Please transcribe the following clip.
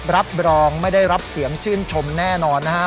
รับรองไม่ได้รับเสียงชื่นชมแน่นอนนะฮะ